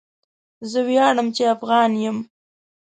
زه وياړم چي افغان یم